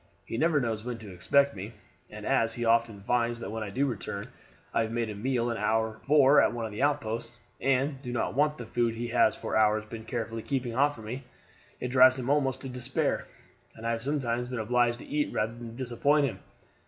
He never knows when to expect me; and as he often finds that when I do return I have made a meal an hour before at one of the outposts, and do not want the food he has for hours been carefully keeping hot for me, it drives him almost to despair, and I have sometimes been obliged to eat rather than disappoint him.